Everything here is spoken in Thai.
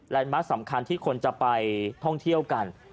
มาร์คสำคัญที่คนจะไปท่องเที่ยวกัน